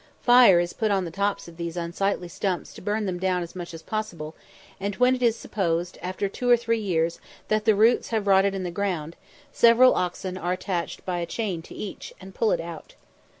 Fire is put on the tops of these unsightly stumps to burn them down as much as possible, and when it is supposed, after two or three years, that the roots have rotted in the ground, several oxen are attached by a chain to each, and pull it out.